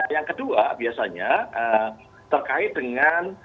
yang kedua biasanya terkait dengan